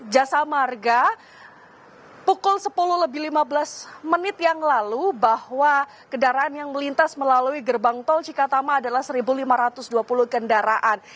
jasa marga pukul sepuluh lebih lima belas menit yang lalu bahwa kendaraan yang melintas melalui gerbang tol cikatama adalah satu lima ratus dua puluh kendaraan